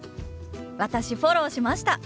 私フォローしました。